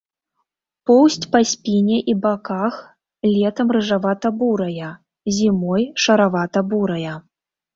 Поўсць на спіне і баках летам рыжавата-бурая, зімой шаравата-бурая.